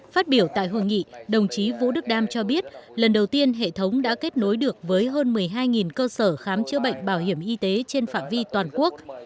phát biểu tại hội nghị đồng chí vũ đức đam cho biết lần đầu tiên hệ thống đã kết nối được với hơn một mươi hai cơ sở khám chữa bệnh bảo hiểm y tế trên phạm vi toàn quốc